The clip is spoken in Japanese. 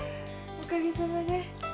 おかげさまで。